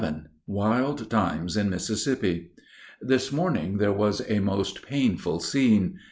XI WILD TIMES IN MISSISSIPPI This morning there was a most painful scene.